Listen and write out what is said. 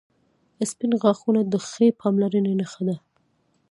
• سپین غاښونه د ښې پاملرنې نښه ده.